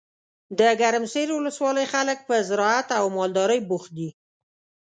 دګرمسیر ولسوالۍ خلګ په زراعت او مالدارۍ بوخت دي.